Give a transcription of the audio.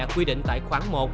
quy định tại khoảng một